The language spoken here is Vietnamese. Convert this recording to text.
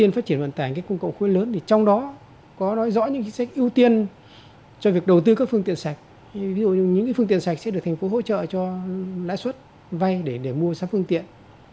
phương tiện sạch sẽ được thành phố hỗ trợ cho lãi suất vay để mua sắp phương tiện